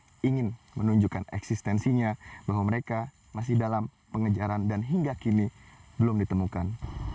mereka ingin menunjukkan eksistensinya bahwa mereka masih dalam pengejaran dan hingga kini belum ditemukan